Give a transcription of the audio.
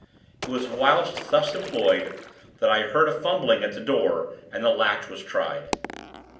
It was whilst thus employed, that I heard a fumbling at the door, and the latch was tried.